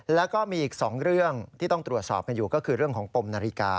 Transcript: แล้วก็มีอีก๒เรื่องที่ต้องตรวจสอบกันอยู่ก็คือเรื่องของปมนาฬิกา